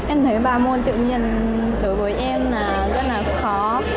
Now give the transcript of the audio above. em thấy ba môn tự nhiên đối với em là rất là khó